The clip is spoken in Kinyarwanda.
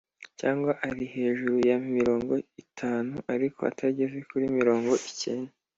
Cyangwa ari hejuru ya mirongo itanu ariko atageze kuri mirongo icyenda